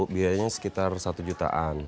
biayanya sekitar satu jutaan